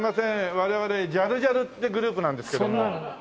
我々ジャルジャルってグループなんですけども。